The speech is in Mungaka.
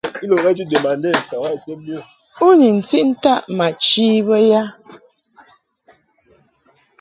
U ni ntiʼ ntaʼ ma chi bə ya ?